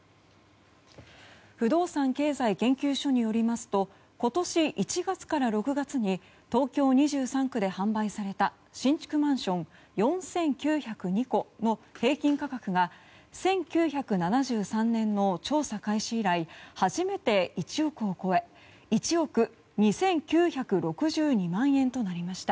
不動産経済研究所によりますと今年１月から６月に東京２３区で販売された新築マンション４９０２戸の平均価格が１９７３年の調査開始以来初めて１億を超え１億２９６２万となりました。